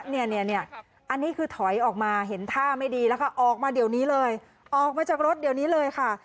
เนี่ยอันนี้คือถอยออกมาเห็นท่าไม่ดีแล้วค่ะออกมาเดี๋ยวนี้เลยออกมาจากรถเดี๋ยวนี้เลยค่ะ